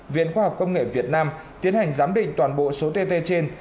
viện khoa học công nghệ việt nam tiến hành giám định toàn bộ số tt trên